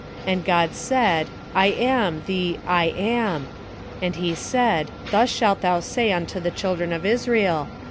And God said, I am the I AM : and he said, thus shalt thou say unto the children of Israel.